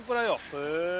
・へえ。